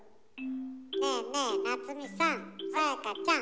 ねえねえ菜摘さんさやかちゃん。